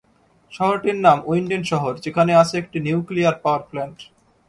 শহরটির নাম উইন্ডেন শহর যেখানে আছে একটা নিউক্লিয়ার পাওয়ারপ্ল্যান্ট।